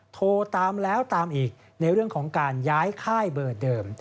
โทรตามแล้วตามอีกในเรื่องของการย้ายค่ายเบอร์เดิม